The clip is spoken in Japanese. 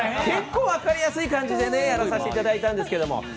結構、分かりやすい感じでやらさせていただいたんですけれども。